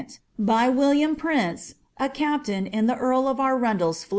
by WiUiam Prince, a capuin in the earl of ArumlBl'B Am.